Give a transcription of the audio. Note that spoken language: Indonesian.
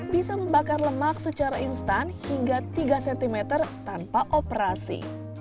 bisa membakar lemak secara instan hingga tiga cm tanpa operasi